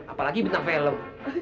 apalagi bintang film